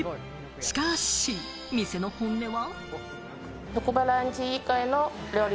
しかし、店の本音は。